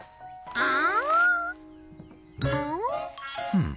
うん？